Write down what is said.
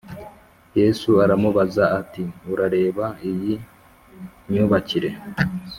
Yesu aramubaza ati Urareba iyi myubakire